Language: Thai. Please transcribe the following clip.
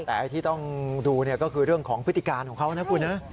แต่ไอ้ที่ต้องดูก็คือเรื่องของพฤติการของเขานะคุณนะ